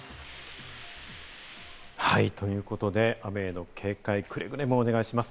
はい、ということで、雨への警戒、くれぐれもお願いします。